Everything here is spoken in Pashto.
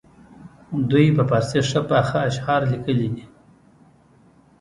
دوی په فارسي ښه پاخه اشعار لیکلي دي.